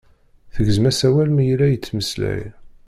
Tegzem-as as awal mi yella yettmeslay.